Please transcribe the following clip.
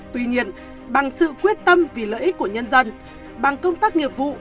tuy nhiên bằng sự quyết tâm vì lợi ích của nhân dân bằng công tác nghiệp vụ